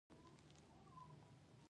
چې د مارکېټ ماليه تاويله کي.